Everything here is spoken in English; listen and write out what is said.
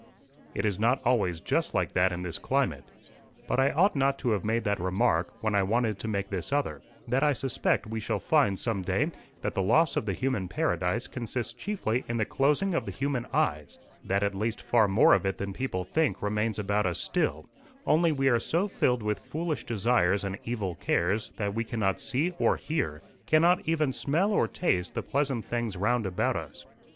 "It is not always just like that in this climate. But I ought not to have made that remark when I wanted to make this other: that I suspect we shall find some day that the loss of the human paradise consists chiefly in the closing of the human eyes; that at least far more of it than people think remains about us still, only we are so filled with foolish desires and evil cares, that we cannot see or hear, cannot even smell or taste the pleasant things round about us.